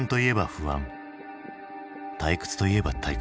退屈といえば退屈。